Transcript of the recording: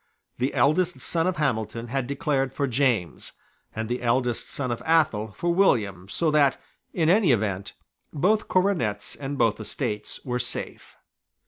The eldest son of Hamilton had declared for James, and the eldest son of Athol for William, so that, in any event, both coronets and both estates were safe.